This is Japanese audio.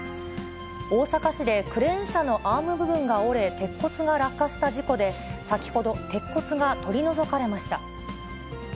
大阪市でクレーン車のアーム部分が折れ、鉄骨が落下した事故で、先ほど、鉄骨が取り除かれました。